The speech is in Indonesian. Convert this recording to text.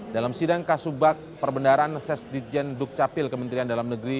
dalam sidang kasus bak perbendaran sesdijen dukcapil kementerian dalam negeri